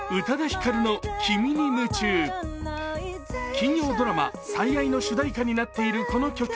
金曜ドラマ「最愛」の主題歌になっているこの曲。